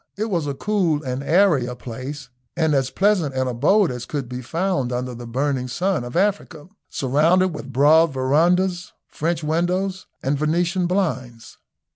It was as cool and airy a place and as pleasant an abode as could be found under the burning sun of Africa, surrounded with broad verandahs, French windows, and Venetian blinds.